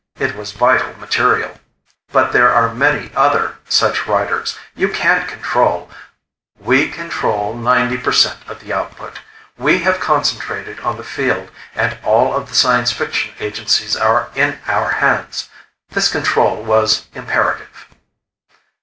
It was vital material." "But there are many other such writers. You can't control " "We control ninety percent of the output. We have concentrated on the field and all of the science fiction agencies are in our hands. This control was imperative."